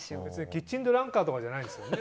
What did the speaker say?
キッチンベランカーとかじゃないですよね。